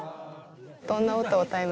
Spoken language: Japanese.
「どんな歌を歌いますか？」